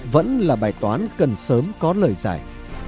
vẫn là bài toán cần sớm có lời giải